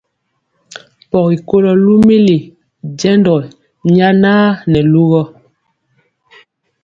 Pɔgi kɔlo lumili jendɔ nyana nɛ lugɔ.